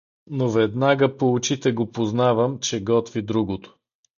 Но веднага по очите го познавам, че готви другото.